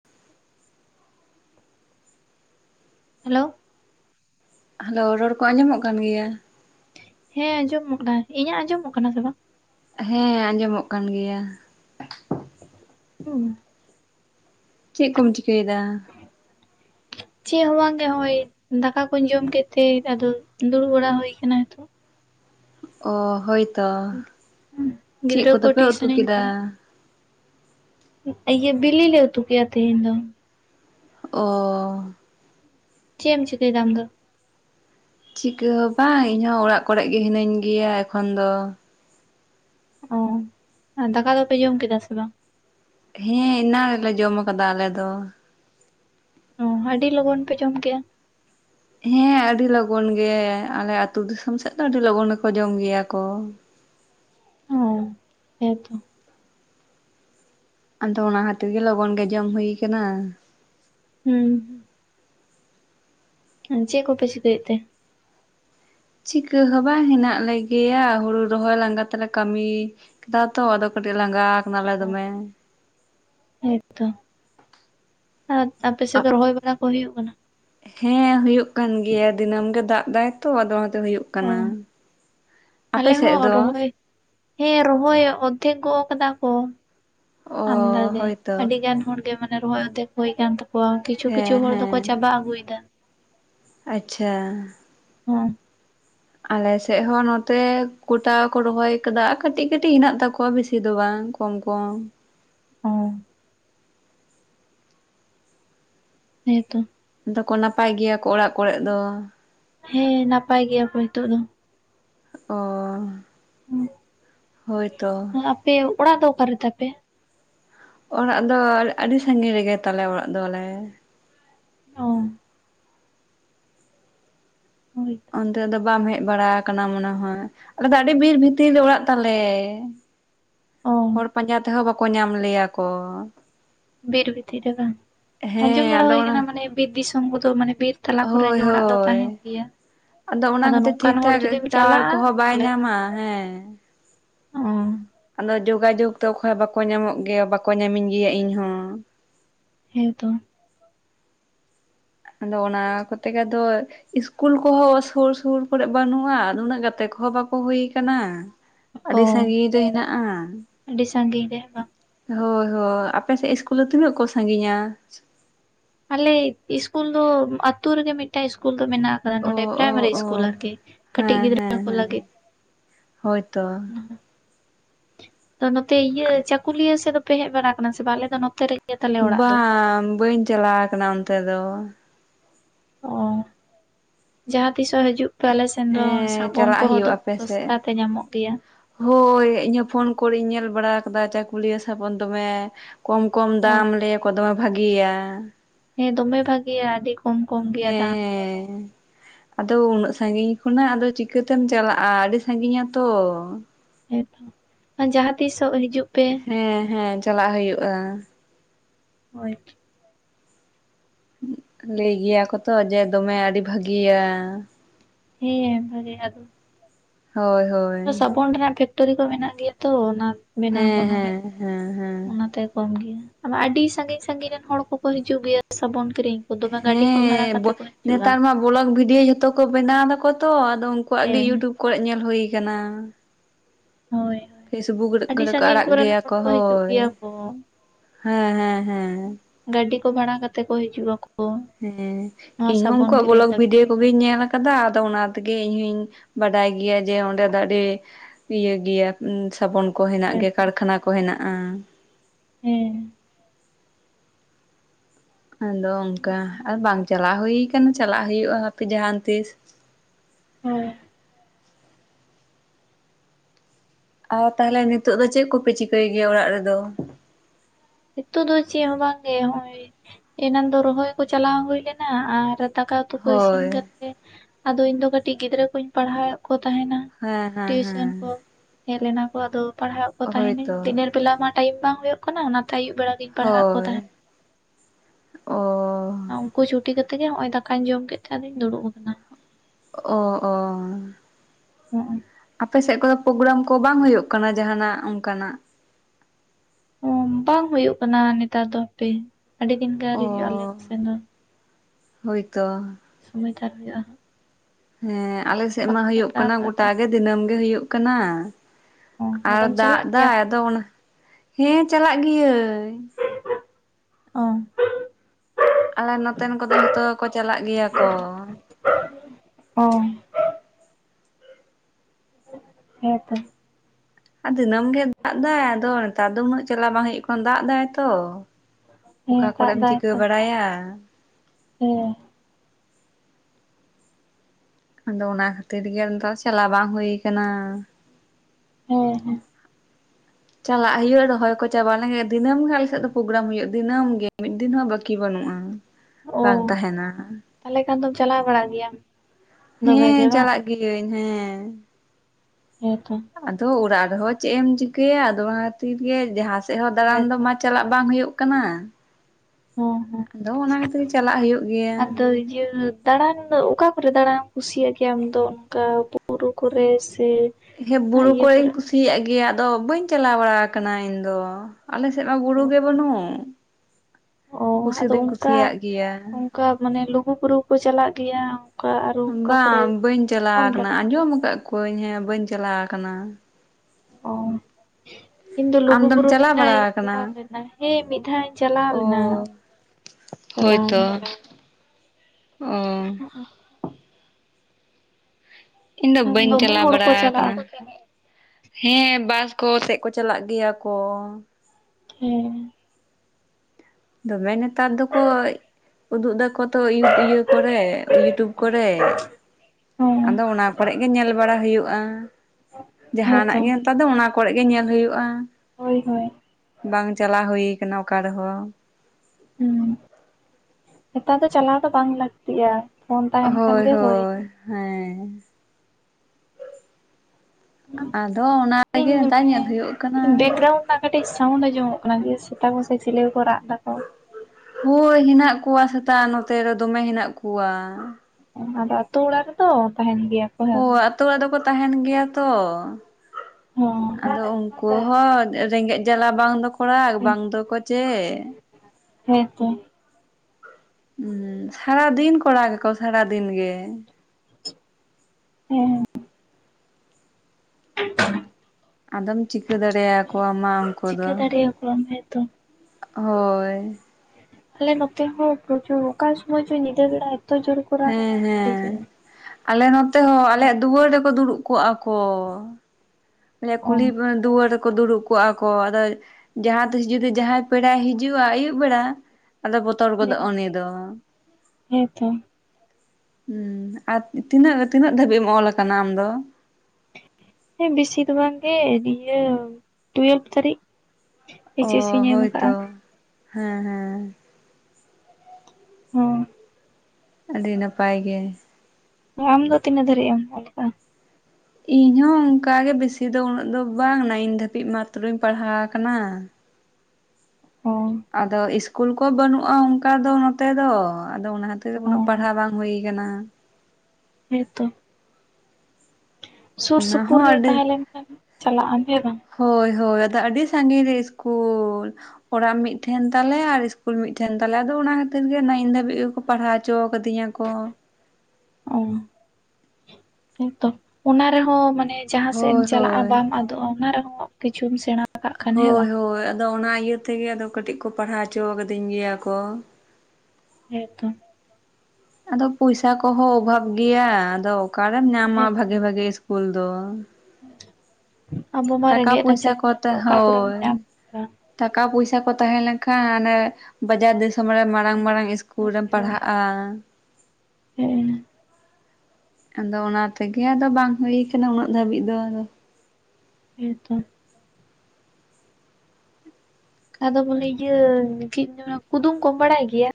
[unintelligible] Hello hello ᱨᱚᱲ ᱠᱚ ᱟᱸᱡᱚᱢᱚᱜ ᱠᱟᱱ ᱜᱤᱭᱟ ᱦᱮᱸ ᱟᱸᱡᱚᱢᱚᱜ ᱠᱟᱱᱟ ᱤᱧᱟᱹᱜ ᱟᱸᱡᱚᱢᱚᱜ ᱠᱟᱱᱟ ᱥᱮ ᱵᱟᱝ? ᱦᱮᱸ ᱟᱸᱡᱚᱢᱚᱜ ᱠᱟᱱ ᱜᱮᱭᱟ᱾ [inaudible] ᱪᱤᱜ ᱠᱚᱢ ᱪᱤᱠᱟᱹᱭ ᱫᱟ? ᱪᱤᱜ ᱦᱚᱸ ᱵᱟᱝᱜᱮ ᱦᱚᱸᱜ -ᱚᱭ ᱫᱟᱠᱟ ᱠᱩᱧ ᱡᱚᱢ ᱠᱮᱫ ᱛᱮ ᱟᱫᱚ ᱫᱩᱲᱩᱵ ᱵᱟᱲᱟ ᱦᱩᱭ ᱠᱟᱱᱟ ᱦᱤᱛᱚᱜ ᱚ ᱦᱚᱭᱛᱚ ᱦᱩᱸ, ᱪᱤᱜ ᱜᱤᱫᱽᱨᱟᱹ ᱠᱚᱫᱚ ᱠᱚ ᱯᱮ ᱩᱛᱩ ᱴᱤᱭᱩᱥᱚᱱᱤᱧ ᱠᱮᱫᱟ? ᱠᱟᱱᱟ ᱤᱭᱟᱹ ᱵᱤᱞᱤ ᱞᱮ ᱩᱛᱩ ᱠᱮᱜ-ᱟ ᱛᱤᱦᱤᱧ ᱫᱚ᱾ ᱚ ᱪᱮᱜ ᱮᱢ ᱪᱤᱠᱟᱹᱭ ᱫᱟ ᱟᱢ ᱫᱚ? ᱪᱤᱠᱟᱹ ᱦᱚᱸ ᱵᱟᱝ ᱤᱧ ᱦᱚᱸ ᱚᱲᱟᱜ ᱠᱚᱨᱮᱜ ᱜᱮ ᱦᱤᱱᱟᱹᱧ ᱜᱮᱭᱟ ᱮᱠᱷᱚᱱ ᱫᱚ ᱚ ᱟᱨ ᱫᱟᱠᱟ ᱫᱚᱯᱮ ᱡᱚᱢ ᱠᱮᱫᱟ ᱥᱮ ᱵᱟᱝ? ᱦᱮᱸ ᱮᱱᱟᱝ ᱨᱮᱞᱮ ᱡᱚᱢ ᱠᱟᱫᱟ ᱟᱞᱮ ᱫᱚ ᱚ ᱟᱹᱰᱤ ᱞᱚᱜᱚᱱ ᱯᱮ ᱡᱚᱢ ᱠᱮᱜ-ᱟ ᱦᱮᱸ ᱟᱹᱰᱤ ᱞᱚᱜᱚᱱ ᱜᱮ ᱟᱞᱮ ᱟᱹᱛᱩ ᱫᱤᱥᱚᱢ ᱥᱮᱫ ᱫᱚ ᱟᱹᱰᱤ ᱞᱚᱜᱚᱱ ᱜᱮᱠᱚ ᱡᱚᱢ ᱜᱮᱭᱟ ᱠᱚ᱾ ᱚ ᱦᱮᱸᱛᱚ ᱟᱫᱚ ᱚᱱᱟ ᱠᱷᱟᱹᱛᱤᱨ ᱜᱮ ᱞᱚᱜᱚᱱ ᱜᱮ ᱡᱚᱢ ᱦᱩᱭ ᱠᱟᱱᱟ᱾ ᱦᱩᱸ ᱪᱮᱜ ᱠᱚᱯᱮ ᱪᱤᱠᱟᱹᱭᱮᱫ ᱛᱮ? ᱪᱤᱠᱟᱹ ᱦᱚᱸ ᱵᱟᱝ ᱦᱮᱱᱟᱜ ᱞᱮᱜᱮᱭᱟ ᱦᱩᱲᱩ ᱨᱚᱦᱚᱭ ᱞᱟᱸᱜᱟ ᱛᱮᱞᱮ ᱠᱟᱹᱢᱤ ᱟ ᱛᱚ ᱟᱫᱚ ᱠᱟᱹᱴᱤᱡ ᱞᱟᱸᱜᱟ ᱠᱟᱱᱟ ᱞᱮ ᱫᱚᱢᱮ ᱦᱮᱸ ᱛᱚ ᱟ ᱟᱯᱮᱥᱮᱫ ᱫᱚ ᱨᱚᱦᱚᱭ ᱵᱟᱲᱟ ᱠᱚ ᱦᱩᱭᱩᱜ ᱠᱟᱱᱟ? ᱦᱮᱸ ᱦᱩᱭᱩᱜ ᱠᱟᱱ ᱜᱮᱭᱟ ᱫᱤᱱᱟᱹᱢ ᱜᱮ ᱫᱟᱜ ᱮᱫᱟᱭ ᱛᱚ ᱟᱫᱚ ᱚᱱᱟᱛᱮ ᱦᱩᱭᱩᱜ ᱚ ᱠᱟᱱᱟ ᱟᱯᱮ ᱟᱞᱮ ᱥᱮᱫ ᱦᱚᱸ ᱫᱚ? ᱨᱚᱦᱚᱭ ᱦᱮᱸ ᱨᱚᱦᱚᱭ ᱚᱨᱫᱷᱮᱠ ᱜᱚᱜ ᱟᱠᱟᱫᱟ ᱠᱚ᱾ ᱚ ᱟᱢᱫᱟᱜᱮ ᱦᱳᱭᱛᱚ ᱟᱹᱰᱤ ᱜᱟᱱ ᱦᱚᱲᱜᱮ ᱢᱟᱱᱮ ᱨᱚᱦᱚᱭ ᱳᱫᱷᱮᱠ ᱦᱩᱭ ᱠᱟᱱ ᱛᱟᱠᱚᱣᱟ᱾ ᱠᱤᱪᱷᱩ ᱠᱤᱪᱷᱩ ᱦᱮᱸ ᱦᱚᱲ ᱦᱮᱸ ᱫᱚᱠᱚ ᱪᱟᱵᱟ ᱟᱹᱜᱩᱭᱮᱫᱟ᱾ ᱟᱪᱪᱷᱟ᱾ ᱦᱳᱸ᱾ ᱟᱞᱮᱥᱮᱫ ᱦᱚᱸ ᱱᱚᱛᱮ ᱜᱚᱴᱟ ᱠᱚ ᱨᱚᱦᱚᱭ ᱟᱠᱟᱫᱟ ᱠᱟᱹᱴᱤᱡ ᱠᱟᱹᱴᱤᱡ ᱦᱮᱱᱟᱜ ᱛᱟᱠᱚᱣᱟ ᱵᱤᱥᱤ ᱫᱚ ᱵᱟᱝ᱾ ᱠᱚᱢ-ᱠᱚᱢ᱾ ᱚ ᱦᱮᱸ ᱛᱚ᱾ ᱫᱚᱠᱚ ᱱᱟᱯᱟᱭ ᱜᱮᱭᱟ ᱠᱚ ᱚᱲᱟᱜ ᱠᱚᱨᱮ ᱫᱚ᱾ ᱦᱮᱸ ᱱᱟᱯᱟᱭ ᱜᱮᱭᱟ ᱠᱚ ᱱᱤᱛᱚᱜ ᱫᱚ᱾ ᱚ [inaudible] ᱦᱳᱭᱛᱚ᱾ ᱟᱯᱮ ᱚᱲᱟᱜ ᱫᱚ ᱚᱠᱟᱨᱮᱛᱟᱯᱮ? ᱚᱲᱟᱜ ᱫᱚ ᱟᱹᱰᱤ ᱥᱟᱺᱜᱤᱧ ᱨᱮᱜᱮ ᱛᱟᱞᱮ ᱚᱲᱟᱜ ᱫᱚᱞᱮ᱾ ᱳᱢ᱾ ᱦᱳᱭ᱾ ᱚᱱᱛᱮ ᱫᱚ ᱵᱟᱢ ᱦᱮᱡ ᱵᱟᱲᱟ ᱟᱠᱟᱱᱟ ᱢᱚᱱᱮ ᱦᱚ ᱟᱞᱮ ᱟᱹᱰᱤ ᱵᱤᱨ ᱵᱷᱤᱛᱤᱨ ᱨᱮ ᱚᱲᱟᱜ ᱛᱟᱞᱮ᱾ ᱚ ᱦᱚᱲ ᱯᱟᱸᱡᱟ ᱛᱮᱦᱚᱸ ᱵᱟᱠᱚ ᱧᱟᱢ ᱞᱮᱭᱟ ᱠᱚ᱾ ᱵᱤᱨ ᱵᱷᱤᱛᱤᱨ ᱨᱮ ᱵᱟᱝ ᱦᱮᱸ ᱟᱸᱡᱚᱢ ᱵᱟᱲᱟ ᱟᱫᱚ ᱦᱩᱭ ᱚᱱᱟ ᱟᱠᱟᱱᱟ ᱢᱟᱱᱮ ᱵᱤᱨ ᱫᱤᱥᱚᱢ ᱠᱚᱫᱚ ᱢᱟᱱᱮ ᱵᱤᱨ ᱛᱟᱞᱟ ᱠᱚᱨᱮ ᱦᱳᱭ ᱜᱮ ᱚᱲᱟᱜ ᱫᱚ ᱦᱳᱭ ᱛᱟᱦᱮᱱ ᱜᱮᱭᱟ᱾ ᱟᱫᱚ ᱚᱱᱟ ᱠᱷᱟᱹᱛᱤᱨ ᱴᱷᱤᱠ ᱱᱚᱝᱠᱟᱱ ᱦᱚᱲ ᱴᱷᱟᱠ ᱡᱩᱫᱤᱢ ᱴᱟᱣᱟᱨ ᱪᱟᱞᱟᱜᱼᱟ ᱠᱚᱦᱚᱸ ᱵᱟᱭ ᱧᱟᱢᱟ ᱦᱮᱸ᱾ ᱳᱸ᱾ ᱟᱫᱚ ᱡᱳᱜᱟᱡᱳᱜ ᱫᱚ ᱚᱠᱚ ᱵᱟᱠᱚ ᱧᱟᱢᱚᱜ ᱜᱮᱭᱟ ᱵᱟᱠᱚ ᱧᱟᱢᱤᱧ ᱜᱮᱭᱟ ᱤᱧ ᱦᱚᱸ᱾ ᱦᱮᱸᱛᱚ᱾ ᱟᱫᱚ ᱚᱱᱟ ᱠᱚᱛᱮ ᱜᱮ ᱟᱫᱚ ᱤᱥᱠᱩᱞ ᱠᱚᱦᱚᱸ ᱥᱩᱨ ᱥᱩᱨ ᱠᱚᱨᱮ ᱵᱟᱹᱱᱩᱜ-ᱟ᱾ ᱱᱩᱱᱟᱹᱜ ᱜᱟᱛᱮ ᱠᱚᱦᱚᱸ ᱵᱟᱠᱚ ᱦᱩᱭᱩᱭ ᱟᱠᱟᱱᱟ ᱟᱹᱰᱤ ᱚ ᱥᱟᱺᱜᱤᱧ ᱨᱮ ᱦᱮᱱᱟᱜ-ᱟ᱾ ᱟᱹᱰᱤ ᱥᱟᱺᱜᱤᱧ ᱨᱮ ᱵᱟᱝ ᱦᱳᱭ ᱦᱳᱭ ᱟᱯᱮ ᱥᱮᱫ ᱤᱥᱠᱩᱞ ᱨᱮ ᱛᱤᱱᱟᱹᱜ ᱠᱚ ᱥᱟᱺᱜᱤᱧᱟ? ᱟᱞᱮ ᱤᱥᱠᱩᱞ ᱫᱚ ᱟᱹᱛᱩ ᱨᱮᱜᱮ ᱢᱤᱫᱴᱟᱝ ᱤᱥᱠᱩᱞ ᱫᱚ ᱢᱮᱱᱟᱜ ᱚ ᱱᱚᱰᱮ ᱚ ᱯᱨᱟᱭᱢᱟᱨᱤ ᱚ ᱥᱠᱩᱞ ᱟᱨᱠᱤ ᱠᱟᱹᱴᱤᱡ ᱦᱮᱸ ᱜᱤᱫᱽᱨᱟᱹ ᱦᱮᱸ ᱠᱚ ᱦᱮᱸ ᱞᱟᱹᱜᱤᱫ᱾ ᱦᱳᱭᱛᱚ᱾ ᱟᱫᱚ ᱱᱚᱛᱮ ᱤᱭᱟᱹ ᱪᱟᱹᱠᱩᱞᱤᱭᱟᱹ ᱥᱮᱫ ᱫᱚᱯᱮ ᱦᱮᱡ ᱵᱟᱲᱟ ᱟᱠᱟᱱᱟ ᱥᱮ ᱵᱟᱝ ᱟᱞᱮ ᱫᱚ ᱱᱚᱛᱮ ᱨᱮ ᱵᱟᱝ ᱵᱟᱹᱧ ᱪᱟᱞᱟᱣ ᱠᱟᱱᱟ ᱚᱱᱛᱮ ᱫᱚ᱾ ᱚ᱾ ᱡᱟᱦᱟᱸ ᱛᱤᱥᱚᱜ ᱦᱤᱡᱩᱜ ᱯᱮ ᱟᱞᱮᱥᱮᱱ ᱫᱚ ᱦᱮᱸ ᱥᱟᱵᱚᱱ ᱪᱟᱞᱟᱜ ᱠᱚᱦᱚᱸ ᱫᱚ ᱦᱩᱭᱩᱜᱼᱟ ᱥᱚᱥᱛᱟ ᱟᱯᱮᱥᱮᱫ ᱛᱮ ᱧᱟᱢᱚᱜ ᱜᱮᱭᱟ᱾ ᱦᱳᱭ ᱤᱧ ᱦᱚᱸ ᱯᱷᱳᱱ ᱠᱚᱨᱮᱧ ᱧᱮᱞ ᱵᱟᱲᱟ ᱠᱟᱫᱟ ᱪᱟᱠᱩᱞᱤᱭᱟᱹ ᱥᱟᱵᱚᱱ ᱫᱚᱢᱮ ᱠᱚᱢ ᱠᱚᱢ ᱫᱟᱢ ᱦᱳᱭ ᱞᱟᱹᱭᱟᱠᱚ ᱫᱚᱢᱮ ᱵᱷᱟᱜᱤᱭᱟ᱾ ᱦᱮᱸ ᱫᱚᱢᱮ ᱵᱷᱟᱜᱮᱭᱟ ᱟᱹᱰᱤ ᱠᱚᱢ ᱠᱚᱢ ᱜᱮᱭᱟ ᱦᱮᱸ ᱫᱟᱢ᱾ ᱦᱮᱸ᱾ ᱟᱫᱚ ᱩᱱᱟᱹᱜ ᱥᱟᱺᱜᱤᱧ ᱠᱷᱚᱱᱟᱜ ᱟᱫᱚ ᱪᱤᱠᱟᱹᱛᱮᱢ ᱪᱟᱞᱟᱜ-ᱟ ᱟᱹᱰᱤ ᱥᱟᱜᱤᱧᱟ ᱛᱚ᱾ ᱦᱮᱸᱛᱚ ᱡᱟᱦᱟᱸ ᱛᱤᱥᱚᱜ ᱦᱤᱡᱩᱜ ᱯᱮ ᱦᱮᱸ ᱦᱮᱸ ᱪᱟᱞᱟᱜ ᱦᱩᱭᱩᱜ-ᱟ᱾ ᱦᱳᱭ᱾ ᱞᱟᱹᱭ ᱜᱮᱭᱟ ᱠᱚᱛᱚ ᱡᱮ ᱫᱚᱢᱮ ᱟᱹᱰᱤ ᱵᱷᱟᱹᱜᱤᱭᱟ᱾ ᱦᱮᱸ ᱵᱷᱟᱜᱤ ᱟᱫᱚ ᱦᱳᱭ ᱦᱳᱭ᱾ ᱥᱟᱵᱚᱱ ᱨᱮᱱᱟᱜ ᱯᱷᱮᱠᱴᱚᱨᱤ ᱠᱚ ᱢᱮᱱᱟᱜ ᱜᱮᱭᱟ ᱛᱚ ᱚᱱᱟ ᱵᱮᱱᱟᱣ ᱠᱚ ᱦᱮᱸ ᱱᱚᱸᱰᱮ ᱦᱮᱸ ᱦᱮᱸ [inaudible] ᱦᱮᱸ ᱚᱱᱟ ᱛᱮ ᱠᱚᱢ ᱜᱮᱭᱟ᱾ ᱟᱨ ᱟᱰᱤ ᱥᱟᱺᱜᱤᱧ ᱥᱟᱺᱜᱤᱧ ᱨᱮᱱ ᱦᱚᱲ ᱠᱚᱠᱚ ᱦᱤᱡᱩᱜ ᱜᱮᱭᱟ ᱥᱟᱵᱚᱱ ᱠᱤᱨᱤᱧ᱾ ᱠᱚ ᱫᱚᱢᱮ ᱜᱟᱹᱰᱤ ᱠᱚ ᱵᱷᱟᱲᱟ ᱦᱮᱸ ᱠᱟᱛᱮ ᱵᱚᱼᱼ ᱠᱚ ᱦᱤᱡᱩᱜᱼᱟ ᱱᱮᱛᱟᱨ ᱢᱟ ᱵᱽᱞᱚᱜ ᱵᱷᱤᱰᱭᱳ ᱡᱷᱚᱛᱚ ᱠᱚ ᱵᱮᱱᱟᱣ ᱫᱟᱠᱚ ᱛᱚ ᱟᱫᱚ ᱩᱱᱠᱩ ᱣᱟᱜ ᱜᱮ ᱦᱮᱸ ᱭᱩᱴᱩᱵᱽᱼᱼ ᱠᱚᱨᱮᱜ ᱧᱮᱞ ᱦᱩᱭ ᱠᱟᱱᱟ᱾ ᱦᱳᱭ᱾ ᱦᱳᱭ ᱯᱷᱮᱥᱵᱩᱠ ᱲᱮ ᱟᱹᱰᱤ ᱠᱚᱲᱮ ᱠᱚ ᱥᱟᱺᱜᱤᱧ ᱟᱲᱟᱜᱽ ᱠᱚᱨᱮᱱ ᱜᱮᱭᱟ ᱦᱚᱲ ᱠᱚ ᱦᱤᱡᱩᱜ ᱦᱳᱭ, ᱜᱮᱭᱟ ᱠᱚ ᱦᱮᱸ ᱦᱮᱸ ᱦᱮᱸ ᱦᱮᱸ᱾ ᱜᱟᱹᱰᱤ ᱠᱚ ᱵᱷᱟᱲᱟ ᱠᱟᱛᱮᱜ ᱠᱚ ᱦᱤᱡᱩᱜ-ᱟ ᱠᱚ᱾ ᱦᱮᱸ ᱤᱧ ᱦᱚᱸ ᱩᱱᱠᱩ ᱣᱟᱜ ᱠᱤᱨᱤᱧ ᱵᱚᱞᱚᱠ ᱞᱟᱹᱜᱤᱫ ᱵᱤᱰᱤᱭᱳ ᱠᱩ ᱛᱮ᱾ ᱜᱤᱧ ᱧᱮᱞᱟ ᱠᱟᱫᱟ ᱟᱫᱚ ᱚᱱᱟ ᱛᱮᱜᱮ ᱤᱧ ᱦᱩᱧ ᱵᱟᱰᱟᱭ ᱜᱮᱭᱟ ᱡᱮ ᱚᱸᱰᱮ ᱫᱚ ᱟᱹᱰᱤ ᱤᱭᱟᱹ ᱜᱮᱭᱟ ᱩᱸᱻᱥᱟᱵᱚᱱ ᱠᱚ ᱦᱮᱱᱟᱜ ᱦᱮᱸ ᱜᱮᱭᱟ ᱛᱚ ᱠᱟᱨᱠᱷᱟᱱᱟ ᱠᱚ ᱦᱮᱱᱟᱜ-ᱟ᱾ ᱦᱮᱸ᱾ ᱟᱫᱚ ᱚᱝᱠᱟ ᱟᱨ ᱵᱟᱝ ᱪᱟᱞᱟᱣ ᱦᱩᱭ ᱠᱟᱱᱟ, ᱪᱟᱞᱟᱜ ᱦᱩᱭᱩᱜ-ᱟ ᱦᱟᱯᱮ ᱡᱟᱦᱟᱸᱱ ᱛᱤᱥ ᱦᱳᱭ᱾ ᱟᱨ ᱛᱟᱦᱚᱞᱮ ᱱᱤᱛᱚᱜ ᱫᱚ ᱪᱮᱜ ᱠᱚᱯᱮ ᱪᱤᱠᱟᱹᱭ ᱜᱮᱭᱟ ᱚᱲᱟᱜ ᱨᱮᱫᱚ? ᱱᱤᱛᱩᱜ ᱫᱚ ᱪᱮᱜ ᱦᱚᱸ ᱵᱟᱝ ᱜᱮ ᱦᱚᱸᱜ-ᱚᱸᱭ ᱮᱱᱟᱱ ᱫᱚ ᱨᱚᱦᱚᱭ ᱠᱚ ᱪᱟᱞᱟᱣ ᱦᱩᱭ ᱞᱮᱱᱟ ᱟᱨ ᱫᱟᱠᱟ ᱩᱛᱩ ᱠᱚ ᱤᱥᱤᱱ ᱦᱳᱭ ᱠᱟᱛᱮᱜ ᱟᱫᱚ ᱤᱧ ᱫᱚ ᱠᱟᱹᱴᱤᱡ ᱜᱤᱫᱽᱨᱟᱹ ᱠᱩᱧ ᱯᱟᱲᱦᱟᱣᱮᱜ ᱠᱚ ᱛᱟᱦᱮᱸᱱᱟ᱾ ᱦᱮᱸ ᱦᱮᱸ ᱦᱮᱸ ᱴᱤᱭᱩᱥᱚᱱ ᱠᱚ ᱦᱮᱡ ᱞᱮᱱᱟ ᱠᱚ ᱟᱫᱚ ᱯᱟᱲᱦᱟᱣᱮᱜ ᱠᱚ ᱛᱟᱦᱮ ᱱᱟᱹᱧ ᱦᱳᱭᱛᱚ ᱫᱤᱱᱮᱨ ᱵᱮᱞᱟ ᱢᱟ ᱴᱟᱹᱭᱤᱢ ᱵᱟᱝ ᱦᱚᱭᱚᱜ ᱠᱟᱱᱟ ᱚᱱᱟ ᱛᱮ ᱟᱹᱭᱩᱵ ᱵᱮᱲᱟ ᱜᱤᱧ ᱯᱟᱲᱦᱟᱣᱮᱜ ᱠᱚ ᱦᱳᱭ ᱛᱟᱦᱮᱸᱱ, ᱚ ᱟᱶ ᱩᱱᱠᱩ ᱪᱩᱴᱤ ᱠᱟᱛᱮᱜ ᱜᱮ ᱦᱚᱸᱜ-ᱚᱸᱭ ᱫᱟᱠᱟᱧ ᱡᱚᱢ ᱠᱮᱜ ᱛᱮ ᱟᱫᱚᱧ ᱫᱩᱲᱩᱵ ᱟᱠᱟᱱᱟ᱾ ᱚ ᱚᱸᱻ [unintelligible] ᱟᱯᱮ ᱥᱮᱜ ᱠᱚᱫᱚ ᱯᱨᱳᱜᱨᱟᱢ ᱠᱚ ᱵᱟᱝ ᱦᱚᱭᱚᱜ ᱠᱟᱱᱟ ᱡᱟᱦᱟᱸ ᱱᱟᱜ ᱚᱱᱠᱟ ᱱᱟᱜ? ᱚᱻ ᱵᱟᱝ ᱦᱩᱭᱩᱜ ᱠᱟᱱᱟ ᱱᱮᱛᱟᱨ ᱫᱚ ᱦᱟᱯᱮ ᱟᱹᱰᱤ ᱫᱤᱱ ᱜᱮ ᱚ ᱟᱣᱨᱤ ᱦᱩᱭᱩᱜ-ᱟ ᱟᱞᱮ ᱥᱮᱱ ᱫᱚ᱾ ᱦᱳᱭᱛᱚ᱾ ᱥᱚᱢᱚᱭ ᱛᱚ ᱟᱣᱨᱤ ᱦᱩᱭᱩᱜ-ᱟ᱾ ᱦᱮᱸ ᱟᱞᱮ ᱥᱮᱜ ᱢᱟ ᱦᱩᱭᱩᱜ ᱥᱟᱯᱲᱟᱣ ᱠᱟᱱᱟ ᱠᱟᱜᱼᱟ ᱛᱚ ᱜᱚᱴᱟ ᱜᱮ ᱫᱤᱱᱟᱹᱢ ᱜᱮ ᱦᱩᱭᱩᱜ ᱠᱟᱱᱟ᱾ ᱚ ᱟᱨ ᱟᱫᱚᱢ ᱫᱟᱜ ᱪᱟᱞᱟᱜ ᱜᱮᱭᱟ ᱫᱟᱭ ᱟᱫᱚ ᱚᱱᱟ ᱦᱮᱸ ᱪᱟᱞᱟᱜ ᱜᱤᱭᱟᱹᱧ᱾ ᱚ᱾ ᱟᱞᱮ ᱱᱚᱛᱮᱱ ᱠᱚᱫᱚ ᱡᱷᱚᱛᱚ ᱠᱚ ᱪᱟᱞᱟᱜ ᱜᱤᱭᱟ ᱠᱚ᱾ ᱚ ᱦᱮᱸᱛᱚ᱾ ᱟᱨ ᱫᱤᱱᱟᱹᱢ ᱜᱮ ᱫᱟᱜ ᱫᱟᱭ ᱟᱫᱚ ᱱᱮᱛᱟᱨ ᱫᱚ ᱩᱱᱟᱹᱜ ᱪᱟᱞᱟᱜ ᱵᱟᱝ ᱦᱩᱭᱩᱜ ᱠᱟᱱᱟ ᱫᱟᱜ ᱫᱟᱭ ᱛᱚ᱾ ᱦᱮᱸ ᱚᱠᱟ ᱫᱟᱜ ᱠᱚᱨᱮᱢ ᱫᱟᱭ ᱪᱤᱠᱟᱹ ᱛᱚ ᱵᱟᱲᱟᱭᱟ᱾ ᱦᱮᱸ᱾ ᱟᱫᱚ ᱚᱱᱟ ᱠᱷᱟᱹᱛᱤᱨ ᱜᱮᱸ ᱫᱚ ᱪᱟᱞᱟᱣ ᱵᱟᱝ ᱦᱩᱭ ᱠᱟᱱᱟ᱾ ᱦᱮᱸ ᱦᱮᱸ᱾ ᱪᱟᱞᱟᱜ ᱦᱩᱭᱩᱜ-ᱟ ᱨᱚᱦᱚᱭ ᱠᱚ ᱪᱟᱵᱟ ᱞᱮᱱ ᱜᱮ ᱫᱤᱱᱟᱹᱢ ᱜᱮ ᱦᱟᱸᱜ ᱟᱞᱮ ᱥᱮᱜ ᱫᱚ ᱯᱨᱳᱜᱨᱟᱢ ᱦᱩᱭᱩᱜ-ᱟ ᱫᱤᱱᱟᱹᱢ ᱜᱮ ᱢᱤᱫ ᱫᱤᱱ ᱦᱚᱸ ᱵᱟᱹᱠᱤ ᱵᱟᱹᱱᱩᱜ-ᱟ᱾ ᱚ ᱵᱟᱝ ᱛᱟᱦᱮᱱᱟ, ᱛᱟᱦᱚᱞᱮ ᱠᱷᱟᱱ ᱫᱚᱢ ᱪᱟᱞᱟᱣ ᱵᱟᱲᱟᱜ ᱜᱮᱭᱟ ᱫᱚᱢᱮ ᱦᱮᱸ ᱜᱮ ᱵᱟᱝ ᱪᱟᱞᱟᱜ ᱜᱤᱭᱟᱹᱧ ᱦᱮᱸ᱾ ᱦᱮᱸ ᱛᱚ᱾ ᱟᱫᱚ ᱚᱲᱟᱜ ᱨᱮᱦᱚᱸ ᱪᱮᱜ ᱮᱢ ᱪᱤᱠᱟᱹᱭᱟ ᱟᱫᱚ ᱚᱱᱟ ᱠᱷᱟᱹᱛᱤᱨ ᱜᱮ ᱡᱟᱦᱟᱸ ᱥᱮᱜ ᱦᱚᱸ ᱫᱟᱬᱟᱱ ᱫᱚ ᱦᱮᱸᱛᱚ ᱢᱟ ᱪᱟᱞᱟᱜ ᱵᱟᱝ ᱦᱩᱭᱩᱜ ᱠᱟᱱᱟ᱾ ᱦᱚᱸ ᱦᱚᱸ ᱟᱫᱚ ᱚᱱᱟ ᱠᱷᱟᱹᱛᱤᱨ ᱪᱟᱞᱟᱜ ᱦᱩᱭᱩᱜ ᱜᱮᱭᱟ᱾ ᱟᱫᱚ ᱤᱭᱟᱹ ᱫᱟᱬᱟᱱ ᱫᱚ ᱚᱠᱟ ᱠᱚᱨᱮ ᱫᱟᱬᱟᱢ ᱠᱩᱥᱤ ᱭᱟᱜ ᱜᱮᱭᱟ ᱟᱢ ᱫᱚ ᱚᱱᱠᱟ ᱵᱩᱨᱩ ᱠᱚᱨᱮ ᱥᱮ ᱦᱮᱸ ᱵᱩᱨᱩ ᱤᱭᱟᱹ ᱠᱚᱨᱮᱧ ᱠᱚᱨᱮ ᱠᱩᱥᱤᱭᱟᱜ ᱜᱮᱭᱟ ᱟᱫᱚ ᱵᱟᱹᱧ ᱪᱟᱞᱟᱣ ᱵᱟᱲᱟᱣ ᱠᱟᱱᱟ ᱤᱧ ᱫᱚ᱾ ᱟᱞᱮ ᱥᱮᱜ ᱢᱟ ᱵᱩᱨᱩ ᱜᱮ ᱵᱟᱹᱱᱩᱜ᱾ ᱚᱻ ᱠᱩᱥᱤ ᱟᱫᱚ ᱫᱩᱧ ᱚᱱᱠᱟ ᱠᱩᱥᱤᱭᱟᱜ ᱜᱮᱭᱟ᱾ ᱚᱱᱠᱟ ᱢᱟᱱᱮ ᱞᱩᱜᱩᱼᱵᱩᱨᱩ ᱠᱚ ᱪᱟᱞᱟᱜ ᱜᱮᱭᱟ᱾ ᱚᱱᱠᱟ ᱟᱨᱚ ᱚᱠᱟ ᱠᱚᱨᱮ ᱵᱟᱝ ᱵᱟᱹᱧ ᱪᱟᱞᱟᱣ ᱵᱟᱢ ᱟᱠᱟᱱᱟ ᱵᱟᱲᱟᱜ ᱟᱸᱡᱚᱢ ᱟᱠᱟᱜ ᱠᱚᱣᱟᱹᱧ ᱦᱮᱸ ᱵᱟᱹᱧ ᱪᱟᱞᱟᱣ ᱟᱠᱟᱱᱟ᱾ ᱚᱸ᱾ ᱤᱧ ᱫᱚ ᱞᱩᱜᱩ ᱟᱢᱫᱚᱢ ᱵᱩᱨᱩ ᱢᱤᱫ ᱪᱟᱞᱟᱣ ᱫᱷᱟᱼᱣ ᱵᱟᱲᱟ ᱤᱧ ᱪᱟᱞᱟᱣ ᱟᱠᱟᱱᱟ ᱞᱮᱱᱟ ᱦᱮᱸ ᱢᱤᱫ ᱫᱷᱟᱣ ᱤᱧ ᱪᱟᱞᱟᱣ ᱞᱮᱱᱟ ᱦᱳᱭ ᱪᱟᱞᱟᱣ ᱫᱚ ᱛᱚ ᱚᱸ ᱤᱧ ᱫᱚ ᱵᱟᱹᱧ ᱫᱚᱢᱮ ᱪᱟᱞᱟᱣ ᱦᱚᱲ ᱵᱟᱲᱟ ᱠᱚ ᱟᱠᱟᱱᱟ᱾ ᱪᱟᱞᱟᱜᱼᱟ ᱦᱮᱸ ᱵᱟᱥ ᱠᱚ ᱥᱮᱫ ᱠᱚ ᱪᱟᱞᱟᱜ ᱜᱮᱭᱟ ᱠᱚ ᱦᱮᱸ ᱫᱚᱢᱮ ᱱᱮᱛᱟᱨ ᱫᱚᱠᱚ ᱩᱫᱩᱜ ᱫᱟᱠᱚ ᱛᱚ ᱤᱭᱟᱹ ᱠᱚᱨᱮ ᱤᱭᱩᱴᱩᱵᱽ ᱠᱚᱨᱮᱹ ᱟᱫᱚ ᱦᱚᱸ ᱚᱱᱟ ᱠᱚᱨᱮᱹ ᱜᱮ ᱧᱮᱞ ᱵᱟᱲᱟ ᱦᱩᱭᱩᱜᱼᱟ ᱡᱟᱦᱟᱱᱟᱜ ᱦᱮᱸᱛᱚ ᱜᱮ ᱟᱫᱚ ᱚᱱᱟ ᱠᱚᱨᱮᱹ ᱜᱮ ᱧᱮᱞ ᱦᱩᱭᱩᱜᱼᱟ ᱦᱳᱭ ᱦᱳᱭ ᱵᱟᱝ ᱪᱟᱞᱟᱣ ᱦᱩᱭ ᱟᱠᱟᱱᱟ ᱚᱠᱟ ᱨᱮᱦᱚᱸ ᱦᱮᱸ ᱱᱮᱛᱟᱨ ᱫᱚ ᱪᱟᱞᱟᱣ ᱫᱚ ᱵᱟᱝ ᱞᱟᱹᱠᱛᱤᱜᱼᱟ ᱯᱷᱳᱱ ᱛᱟᱦᱮᱱ ᱠᱷᱟᱱ ᱦᱳᱭ ᱜᱮ ᱦᱩᱭᱱᱟ ᱦᱳᱭ ᱦᱮᱸ ᱟᱫᱚ ᱚᱱᱟ ᱜᱮ ᱤᱧ ᱱᱮᱛᱟᱨ ᱢᱟᱱᱮ ᱧᱮᱞ ᱦᱩᱭᱩᱜ ᱠᱟᱱᱟ ᱵᱮᱠᱜᱨᱟᱣᱩᱱᱰ ᱨᱮᱱᱟᱜ ᱠᱟᱹᱴᱤᱡ ᱥᱟᱣᱩᱱᱰ ᱟᱸᱡᱚᱢᱚᱜ ᱠᱟᱱᱟ ᱜᱮ ᱥᱮᱛᱟ ᱠᱚ ᱥᱮ ᱪᱤᱞᱤ ᱠᱚ ᱨᱟᱜ ᱫᱟᱠᱚ ᱦᱳᱭ ᱦᱮᱱᱟᱜ ᱠᱚᱣᱟ ᱥᱮᱛᱟᱜ ᱱᱚᱛᱮ ᱨᱮ ᱫᱚᱢᱮ ᱦᱮᱱᱟᱜ ᱠᱚᱣᱟ ᱟᱫᱚ ᱟᱛᱳ ᱚᱲᱟᱜ ᱨᱮᱫᱚ ᱛᱟᱦᱮᱱ ᱜᱮᱭᱟ ᱠᱚ ᱦᱳ ᱦᱮᱸ ᱵᱟᱝ ᱟᱛᱳ ᱚᱲᱟᱜ ᱫᱚᱠᱚ ᱛᱟᱦᱮᱱ ᱜᱮᱭᱟ ᱛᱚ ᱦᱚᱸ ᱟᱫᱚ ᱟᱠᱩ ᱦᱚᱸ ᱨᱮᱸᱜᱮᱡ ᱡᱟᱞᱟ ᱵᱟᱝ ᱫᱚ ᱠᱚ ᱨᱟᱜᱽ ᱵᱟᱝ ᱫᱚᱠᱚ ᱪᱮᱫ ᱦᱮᱸᱥᱮ ᱦᱩᱸ ᱥᱟᱨᱟ ᱫᱤᱱ ᱠᱚ ᱨᱟ ᱜᱟᱠᱚ ᱥᱟᱨᱟ ᱫᱤᱱ ᱜᱮ ᱦᱮᱸ [inaudible] ᱟᱫᱚᱢ ᱪᱤᱠᱟᱹ ᱫᱟᱲᱮᱭᱟᱠᱚᱣᱼᱟ ᱢᱟ ᱩᱱᱠᱩ ᱫᱚ ᱪᱤᱠᱟᱹ ᱠᱚᱣᱟᱢ ᱦᱮᱛᱚ ᱦᱳᱭ ᱟᱞᱮ ᱱᱚᱛᱮ ᱦᱚᱸ ᱯᱨᱚᱪᱩᱨ ᱚᱠᱟ ᱥᱚᱢᱚᱭ ᱪᱚ ᱧᱤᱫᱟᱹ ᱵᱮᱲᱟ ᱮᱛᱚ ᱡᱳᱨ ᱠᱚ ᱨᱟᱜᱟ ᱦᱮᱸ ᱵᱟᱝ ᱟᱹᱰᱤ ᱦᱮᱸ ᱡᱳᱨ ᱟᱞᱮ ᱱᱚᱛᱮ ᱦᱚᱸ ᱟᱞᱮᱭᱟᱜ ᱫᱩᱣᱟᱹᱨ ᱨᱮᱠᱚ ᱫᱩᱲᱩᱵ ᱠᱚᱜᱼᱟ ᱠᱚ ᱢᱟᱱᱮ ᱚ ᱠᱩᱞᱦᱤ ᱫᱩᱣᱟᱹᱨ ᱨᱮᱠᱚ ᱫᱩᱲᱩᱵ ᱠᱚᱜᱼᱟ ᱠᱚ ᱟᱫᱚ ᱡᱟᱦᱟᱸ ᱛᱤᱥ ᱡᱩᱫᱤ ᱡᱟᱦᱟᱸᱭ ᱯᱮᱲᱟᱭ ᱦᱤᱡᱩᱜᱼᱟ ᱟᱭᱩᱵ ᱵᱮᱲᱟ ᱟᱫᱚᱭ ᱵᱚᱛᱚᱨ ᱦᱮᱸ ᱜᱚᱫᱚᱜᱼᱟ ᱩᱱᱤ ᱫᱚ ᱦᱮᱸᱛᱚ ᱦᱩᱸ ᱟᱨ ᱛᱤᱱᱟᱹᱜ ᱛᱤᱱᱟᱹᱜ ᱫᱷᱟᱹᱵᱤᱡ ᱮᱢ ᱚᱞ ᱟᱠᱟᱱᱟ ᱟᱢ ᱫᱚ ᱦᱮᱸ ᱵᱮᱥᱤ ᱫᱚ ᱵᱟᱝ ᱜᱮ ᱱᱤᱭᱟᱹ ᱴᱩᱭᱮᱞᱵᱷ ᱫᱷᱟᱹᱨᱤᱡ ᱮᱪ ᱚ ᱮᱥ ᱤᱧ ᱮᱢ ᱟᱠᱟᱜᱼᱟ ᱦᱳᱭᱛᱚ ᱦᱮᱸ ᱦᱮᱸ ᱦᱩᱸ ᱟᱹᱰᱤ ᱱᱟᱯᱟᱭ ᱜᱮ ᱟᱢ ᱫᱚ ᱛᱤᱱᱟᱹᱜ ᱫᱷᱟᱹᱨᱤᱡ ᱮᱢ ᱚᱞ ᱟᱠᱟᱜᱼᱟ ᱾ ᱤᱧ ᱦᱚᱸ ᱚᱱᱠᱟ ᱜᱮ ᱵᱤᱥᱤ ᱫᱚ ᱩᱱᱟᱹᱜ ᱫᱚ ᱵᱟᱝ ᱱᱟᱭᱤᱱ ᱫᱷᱟᱹᱵᱤᱡ ᱢᱟᱛᱨᱚᱧ ᱯᱟᱲᱦᱟᱣ ᱟᱠᱟᱱᱟ ᱚ ᱟᱫᱚ ᱤᱥᱠᱩᱞ ᱠᱚ ᱵᱟᱹᱱᱩᱜᱼᱟ ᱚᱱᱠᱟ ᱫᱚ ᱱᱚᱛᱮ ᱫᱚ ᱟᱫᱚ ᱚᱱᱟ ᱠᱷᱟᱹᱛᱤᱨ ᱚ ᱩᱱᱟᱹᱜ ᱯᱟᱲᱦᱟᱣ ᱵᱟᱝ ᱦᱩᱭ ᱟᱠᱟᱱᱟ ᱦᱮᱸᱛᱚ ᱥᱩᱨ ᱚᱱᱟ ᱥᱩᱯᱩᱨ ᱦᱚᱸ ᱨᱮᱭ ᱟᱹᱰᱤ ᱛᱟᱦᱮᱸ ᱞᱮᱱ ᱠᱷᱟᱱ ᱪᱟᱞᱟᱜᱼᱟ ᱦᱮ ᱵᱟᱝ ᱦᱳᱭ ᱦᱳᱭ ᱟᱫᱚ ᱟᱹᱰᱤ ᱥᱟᱺᱜᱤᱧ ᱨᱮ ᱤᱥᱠᱩᱞ ᱚᱲᱟᱜ ᱢᱤᱫᱴᱷᱮᱱ ᱛᱟᱞᱮ ᱟᱨ ᱤᱥᱠᱩᱞ ᱢᱤᱫᱴᱷᱮᱱ ᱛᱟᱞᱮ ᱟᱫᱚ ᱚᱱᱟ ᱠᱷᱟᱹᱛᱤᱨ ᱜᱮ ᱱᱟᱭᱤᱱ ᱫᱷᱟᱹᱵᱤᱡ ᱜᱮ ᱯᱟᱲᱦᱟᱣ ᱦᱚᱪᱚ ᱟᱠᱟᱫᱤᱧᱟᱹ ᱠᱚ ᱚ ᱦᱮᱸ ᱛᱚ ᱚᱱᱟ ᱨᱮᱦᱚᱸ ᱢᱟᱱᱮ ᱡᱟᱦᱟᱸ ᱥᱮᱫ ᱮᱢ ᱦᱳᱭ ᱪᱟᱞᱟᱜᱼᱟ ᱦᱳᱭ ᱵᱟᱢ ᱟᱫ ᱛᱚ ᱚᱱᱟ ᱨᱮᱦᱚᱸᱠᱤᱪᱷᱩᱢ ᱥᱮᱬᱟ ᱠᱟᱜ ᱠᱷᱟᱱ ᱦᱮᱸ ᱦᱳᱭ ᱵᱟᱝ ᱦᱳᱭ ᱟᱫᱚ ᱚᱱᱟ ᱤᱭᱟᱹ ᱛᱮᱜᱮ ᱟᱫᱚ ᱠᱟᱹᱴᱤᱡ ᱠᱚ ᱯᱟᱲᱦᱟᱣ ᱦᱚᱪᱚ ᱠᱟᱹᱫᱤᱧ ᱜᱮᱭᱟ ᱠᱚ ᱾ ᱦᱮᱸ ᱛᱚ ᱾ ᱟᱫᱚ ᱯᱚᱭᱥᱟ ᱠᱚᱦᱚᱸ ᱚᱵᱷᱟᱵᱽ ᱜᱮᱭᱟ ᱟᱫᱚ ᱚᱠᱟᱨᱮᱢ ᱧᱟᱢᱟ ᱦᱮᱸ ᱵᱷᱟᱜᱮ ᱵᱷᱟᱜᱮ ᱤᱥᱠᱩᱞ ᱫᱚ [inaudible] ᱢᱟ ᱴᱟᱠᱟ ᱨᱮᱸᱜᱮᱡ ᱯᱚᱭᱥᱟ ᱱᱟᱪᱟᱨ ᱠᱚᱛᱮ ᱦᱚᱲ ᱚᱠᱟ ᱠᱚᱨᱮᱢ ᱦᱳᱭ ᱧᱟᱢ ᱠᱚᱣᱟ᱾ ᱴᱟᱠᱟ ᱯᱚᱭᱥᱟ ᱠᱚ ᱛᱟᱦᱮᱸ ᱞᱮᱱᱠᱷᱟᱱ ᱦᱟᱱᱮ ᱵᱟᱡᱟᱨ ᱫᱤᱥ [unintelligible] ᱢᱟᱨᱟᱝ ᱢᱟᱨᱟᱝ ᱤᱥᱠᱩᱞ ᱨᱮᱢ ᱦᱳᱭ ᱦᱳᱭ ᱯᱟᱲᱦᱟᱜᱼᱟ᱾ ᱦᱮᱸ ᱟᱫᱚ ᱚᱱᱟ ᱛᱮᱜᱮ ᱟᱫᱚ ᱵᱟᱝ ᱦᱩᱭ ᱠᱟᱱᱟ ᱩᱱᱟᱹᱜ ᱫᱷᱟᱹᱵᱤᱡᱽ ᱫᱚ ᱟᱫᱚ ᱾ ᱦᱮᱸ ᱛᱚ ᱾ ᱟᱫᱚ ᱵᱚᱞᱮ ᱤᱭᱟᱹ ᱠᱷᱤᱜ ᱧᱚᱜᱼᱟ ᱠᱩᱫᱩᱢ ᱠᱚᱢ ᱵᱟᱲᱟᱭ ᱜᱮᱭᱟ?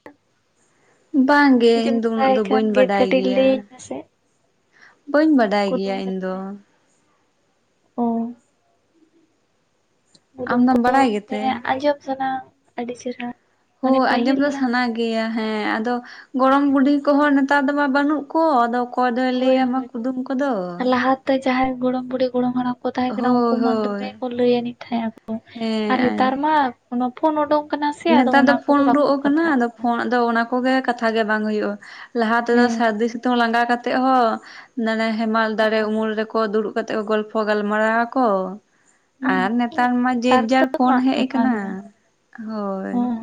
ᱵᱟᱝ ᱜᱮ ᱡᱩᱫᱤᱢ ᱤᱧ ᱫᱚ ᱩᱱᱟᱹᱜ ᱵᱟᱲᱟᱭ ᱫᱚ ᱠᱷᱟᱱ ᱵᱟᱹᱧ ᱜᱮ ᱵᱟᱰᱟᱭ ᱠᱟᱹᱴᱤᱡ ᱜᱮᱭᱟ ᱾ ᱞᱟᱹᱭᱟᱹᱧ ᱢᱮᱥᱮ ᱵᱟᱹᱧ ᱵᱟᱰᱟᱭ ᱠᱩᱫᱩᱢ ᱜᱮᱭᱟ ᱤᱧ ᱫᱚ ᱵᱟᱨᱮᱛᱮ? ᱾ ᱚ ᱾ ᱠᱩᱫᱩᱢ ᱟᱢᱫᱚᱢ ᱠᱚᱫᱚ ᱵᱟᱲᱟᱭ ᱜᱮᱛᱮ ᱦᱮᱸ ᱟᱸᱡᱚᱢ ᱥᱟᱱᱟᱣ ᱟᱹᱰᱤ ᱪᱮᱨᱦᱟ ᱾ ᱦᱳ ᱟᱸᱡᱚᱢ ᱫᱚ ᱥᱟᱱᱟ ᱜᱮᱭᱟ ᱦᱮᱸ ᱟᱫᱚ ᱜᱚᱲᱚᱢ ᱵᱩᱰᱤ ᱠᱚᱦᱚᱸ ᱱᱮᱛᱟᱨ ᱫᱚ ᱢᱟ ᱵᱟᱹᱱᱩᱜ ᱠᱚ ᱟᱫᱚ ᱚᱠᱚᱭ ᱫᱚᱭ ᱞᱟᱹᱭᱟᱢᱟ ᱠᱩᱫᱩᱢ ᱠᱚᱫᱚ ᱾ ᱛᱚ ᱡᱟᱦᱟᱸᱭ ᱜᱚᱲᱚᱢ ᱵᱩᱰᱤ ᱜᱚᱲᱚᱢ ᱦᱟᱲᱟᱢ ᱠᱚ ᱛᱟᱦᱮᱸ ᱠᱟᱱᱟ ᱦᱳᱭ ᱩᱱᱠᱩ ᱢᱟ ᱦᱳᱭ ᱫᱚᱢᱮ ᱠᱚ ᱞᱟᱹᱭ ᱟᱹᱱᱤᱡ ᱛᱟᱦᱮᱸ ᱟᱠᱚ ᱟᱨ ᱦᱮᱸ ᱦᱮᱛᱟᱨ ᱢᱟ ᱚᱱᱟ ᱯᱷᱳᱱ ᱳᱰᱳᱠ ᱠᱟᱱᱟ ᱥᱮ ᱟᱫᱚ ᱱᱮᱛᱟᱨ ᱫᱚ ᱚᱱᱟ ᱯᱷᱳᱱ ᱠᱚᱜᱮ ᱵᱟᱠᱚ ᱩᱰᱳᱜ ᱠᱟᱱᱟ ᱠᱟᱛᱷᱟᱜ ᱟᱫᱚ ᱯᱷᱳᱱ ᱟᱫᱚ ᱚᱱᱟ ᱠᱚᱜᱮ ᱠᱟᱛᱷᱟ ᱜᱮ ᱵᱟᱝ ᱦᱩᱭᱩᱜᱼᱟ ᱾ ᱞᱟᱦᱟ ᱛᱮᱫᱚ ᱦᱮᱸ ᱥᱟᱹᱨᱫᱤ ᱥᱤᱛᱩᱝ ᱞᱟᱸᱜᱟ ᱠᱟᱛᱮᱜ ᱦᱚᱸ ᱱᱟᱱᱟᱭ ᱦᱮᱢᱟᱞ ᱫᱟᱨᱮ ᱩᱢᱩᱞ ᱨᱮᱠᱚ ᱫᱩᱲᱩᱵᱽ ᱠᱟᱛᱮᱜ ᱠᱚ ᱜᱚᱞᱯᱷᱚ ᱜᱟᱞᱢᱟᱨᱟᱣ ᱟᱠᱚ ᱦᱩᱸ ᱟᱨ ᱱᱮᱛᱟᱨ ᱢᱟ ᱡᱮ ᱱᱮᱛᱟᱨ ᱫᱚ ᱡᱟᱨ ᱯᱷᱳᱱ ᱵᱟᱝ ᱦᱮᱡ ᱵᱟᱝ ᱠᱟᱱᱟ ᱜᱮ ᱵᱟᱝ ᱦᱳᱭ ᱦᱚᱸ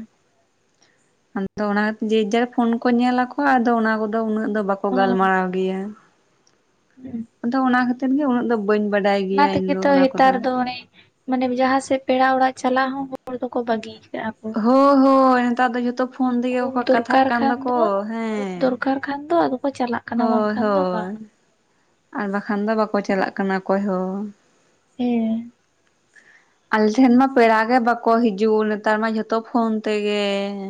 ᱟᱫᱚ ᱚᱱᱟ ᱡᱮ ᱡᱟᱨ ᱯᱷᱳᱱ ᱠᱚ ᱧᱮᱞᱟᱠᱚ ᱟᱫᱚ ᱚᱱᱟ ᱠᱚᱫᱚ ᱩᱱᱟᱹᱜ ᱫᱚ ᱵᱟᱠᱚ ᱦᱚᱸ ᱜᱟᱞᱢᱟᱨᱟᱣ ᱜᱮᱭᱟ ᱾ ᱦᱩᱸ ᱟᱫᱚ ᱚᱱᱟ ᱠᱷᱟᱹᱛᱤᱨ ᱜᱮ ᱩᱱᱟᱹᱜ ᱫᱚ ᱵᱟᱹᱧ ᱵᱟᱰᱟᱭ ᱚᱱᱟ ᱜᱮᱭᱟ ᱤᱧ ᱛᱮᱜᱮ ᱫᱚ ᱛᱚ ᱚᱱᱟ ᱦᱮᱛᱟᱨ ᱠᱚᱫᱚ ᱫᱚ ᱢᱟᱱᱮ ᱢᱟᱱᱮ ᱡᱟᱦᱟᱸ ᱥᱮᱫ ᱯᱮᱲᱟ ᱚᱲᱟᱜ ᱪᱟᱞᱟᱜ ᱦᱚᱸ ᱦᱚᱲ ᱫᱚᱠᱚ ᱵᱟᱹᱜᱤ ᱠᱟᱜᱼᱟ ᱾ ᱦᱳ ᱦᱳᱭ ᱱᱮᱛᱟᱨ ᱫᱚ ᱡᱚᱛᱚ ᱯᱷᱳᱱ ᱛᱮᱜᱮ ᱠᱷᱩᱵ ᱠᱚ ᱠᱟᱛᱷᱟᱜ ᱫᱚᱨᱠᱟᱨ ᱠᱟᱱ ᱠᱷᱟᱱ ᱫᱚᱠᱚ ᱫᱚ ᱠᱷᱩᱵ ᱦᱮᱸ ᱫᱚᱨᱠᱟᱨ ᱠᱷᱟᱱ ᱫᱚ ᱟᱫᱚ ᱠᱚ ᱪᱟᱞᱟᱜ ᱠᱟᱱᱟ ᱦᱳᱭ ᱵᱟᱝᱠᱷᱟᱱ ᱫᱚ ᱦᱳᱭ ᱵᱟᱝ ᱟᱨ ᱵᱟᱠᱷᱟᱱ ᱫᱚ ᱵᱟᱠᱚ ᱪᱟᱞᱟᱜ ᱠᱟᱱᱟ ᱚᱠᱚᱭ ᱦᱚᱸ ᱦᱮᱸ ᱟᱞᱮ ᱴᱷᱮᱱ ᱢᱟ ᱯᱮᱲᱟ ᱜᱮ ᱵᱟᱠᱚ ᱦᱤᱡᱩᱜ ᱱᱮᱛᱟᱨ ᱢᱟ ᱡᱷᱚᱛᱚ ᱯᱷᱳᱱ ᱛᱮᱜᱮ ᱾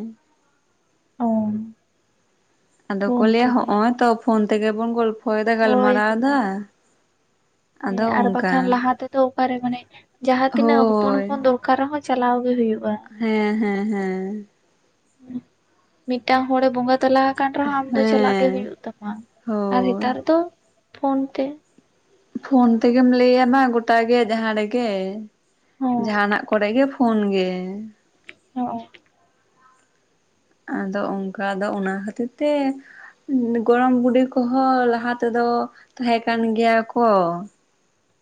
ᱚ ᱟᱫᱚ ᱠᱚ ᱯᱷᱳᱱ ᱞᱟᱹᱭᱟ ᱛᱮᱜᱮ ᱦᱚᱸᱜᱼᱚᱭ ᱛᱚ ᱯᱷᱳᱱ ᱛᱮᱜᱮ ᱵᱚᱱ ᱜᱚᱞᱯᱷᱚᱭᱮᱫᱟ ᱦᱳᱭ ᱜᱟᱞᱢᱟᱨᱟᱣ ᱫᱟ ᱦᱳᱭ ᱾ ᱦᱮᱸ ᱟᱨ ᱵᱟᱠᱷᱟᱱ ᱞᱟᱦᱟᱛᱮ ᱛᱚ ᱚᱠᱟᱨᱮ ᱢᱟᱱᱮ ᱡᱟᱦᱟᱸ ᱛᱤᱱᱟᱹᱜ ᱦᱚᱯᱚᱱ ᱦᱳᱭ ᱦᱚᱯᱚᱱ ᱫᱚᱨᱠᱟᱨ ᱨᱮᱦᱚᱸ ᱪᱟᱞᱟᱣ ᱜᱮ ᱦᱩᱭᱩᱜᱼᱟ ᱾ ᱦᱮᱸᱻᱦᱮᱸᱻᱦᱮᱸᱻ ᱢᱤᱫᱴᱟᱝ ᱦᱚᱲᱮ ᱵᱚᱸᱜᱟ ᱛᱟᱞᱟ ᱠᱟᱱ ᱨᱮᱦᱚᱸ ᱟᱢ ᱫᱚ ᱪᱟᱞᱟᱜ ᱜᱮ ᱦᱮᱸ ᱦᱩᱭᱩᱜ ᱛᱟᱢᱟ ᱟᱨ ᱦᱳᱭ ᱦᱮᱛᱟᱨ ᱫᱚ ᱯᱷᱳᱱ ᱛᱮ ᱯᱷᱳᱱ ᱛᱮᱜᱮᱢ ᱞᱟᱹᱭ ᱟᱢᱟ ᱜᱚᱴᱟ ᱜᱮ ᱡᱟᱦᱟᱸ ᱨᱮᱜᱮ, ᱦᱚᱸ ᱡᱟᱦᱟᱸᱱᱟᱜ ᱠᱚᱨᱮ ᱜᱮ ᱯᱷᱳᱱ ᱜᱮ ᱦᱚᱸ ᱟᱫᱚ ᱚᱝᱠᱟ ᱫᱚ ᱚᱱᱟ ᱠᱷᱟᱹᱛᱤᱨ ᱛᱮ ᱜᱚᱲᱚᱢ ᱵᱩᱰᱤ ᱠᱚᱦᱚᱸ ᱞᱟᱦᱟ ᱛᱮᱫᱚ ᱛᱟᱦᱮᱸ ᱠᱟᱱ ᱜᱮᱭᱟ ᱠᱚ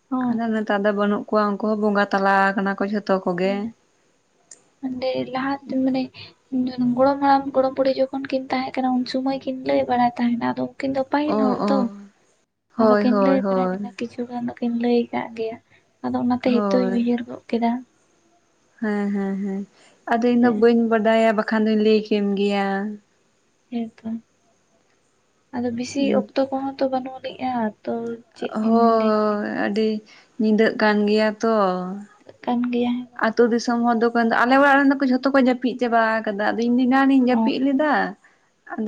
ᱦᱚᱸ ᱟᱫᱚ ᱱᱮᱛᱟᱨ ᱫᱚ ᱵᱟᱹᱱᱩᱜ ᱠᱚᱣᱟ ᱩᱱᱠᱩ ᱦᱚᱸ ᱵᱚᱸᱜᱟ ᱛᱟᱞᱟᱣ ᱠᱟᱱᱟ ᱠᱚ ᱡᱷᱚᱛᱚ ᱠᱚᱜᱮ ᱱᱚᱸᱰᱮ ᱞᱟᱦᱟᱛᱮ ᱢᱟᱱᱮ [unintelligible] ᱜᱚᱲᱚᱢ ᱦᱟᱲᱟᱢ ᱜᱚᱲᱚᱢ ᱵᱩᱲᱦᱤ ᱡᱚᱠᱷᱚᱱ ᱠᱤᱱ ᱛᱟᱦᱮᱸᱜ ᱠᱟᱱᱟ ᱩᱱ ᱥᱩᱢᱚᱭ ᱠᱤᱱ ᱞᱟᱹᱭ ᱵᱟᱲᱟᱭ ᱛᱟᱦᱮᱱ ᱟᱫᱚ ᱩᱱᱠᱤᱱ ᱫᱚ ᱯᱟᱹᱦᱤᱞ ᱚ ᱦᱚᱲ ᱚ ᱛᱚ ᱟᱫᱚ ᱦᱳᱭ ᱠᱤᱱ ᱦᱳᱭ ᱵᱟᱲᱟᱭ ᱦᱳᱭ ᱛᱟᱦᱮᱸ ᱠᱤᱪᱷᱩ ᱪᱷᱩ ᱜᱟᱱ ᱫᱚ ᱠᱤᱱ ᱞᱟᱹᱭ ᱠᱟᱜ ᱜᱮᱭᱟ ᱟᱫᱚ ᱚᱱᱟᱛᱮ ᱦᱤᱛᱚᱜ ᱦᱳᱭ ᱤᱧ ᱩᱭᱦᱟᱹᱨ ᱜᱚᱜ ᱠᱮᱫᱟ ᱦᱮᱸ ᱦᱮᱸ ᱦᱮᱸ ᱟᱫᱚ ᱤᱧᱫᱚ ᱵᱟᱹᱧ ᱵᱟᱰᱟᱭᱟ ᱵᱟᱠᱷᱟᱱ ᱫᱩᱧ ᱞᱟᱹᱭ ᱠᱮᱢ ᱜᱮᱭᱟ ᱾ ᱦᱮᱸᱛᱚ ᱟᱫᱚ ᱵᱤᱥᱤ ᱚᱠᱛᱚ ᱠᱚᱦᱚᱸ ᱛᱚ ᱵᱟᱹᱱᱩᱜ ᱟᱹᱱᱤᱜᱼᱟ ᱛᱚ ᱪᱮᱫ ᱤᱧ ᱞᱟᱹᱭ ᱠᱮᱫ ᱦᱳᱭ ᱟᱹᱰᱤ ᱧᱤᱫᱟᱹᱜ ᱠᱟᱱ ᱜᱮᱭᱟ ᱛᱚ ᱾ ᱠᱟᱱ ᱜᱮᱭᱟ ᱵᱟᱝ ᱟᱛᱩ ᱫᱤᱥᱚᱢ ᱦᱚᱲ ᱫᱚᱠᱚᱱ ᱫᱚ ᱟᱞᱮ ᱚᱲᱟᱜ ᱨᱮᱱ ᱫᱚ ᱡᱷᱚᱛᱚ ᱠᱚ ᱡᱟᱹᱯᱤᱫ ᱾ ᱪᱟᱵᱟ ᱠᱟᱫᱟ ᱟᱫᱚ ᱫᱚ ᱮᱱᱟᱱᱤᱧ ᱚ ᱡᱟᱹᱯᱤᱜ ᱞᱮᱫᱟ ᱾